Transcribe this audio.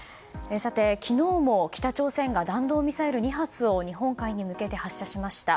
昨日も北朝鮮が弾道ミサイル２発を日本海に向けて発射しました。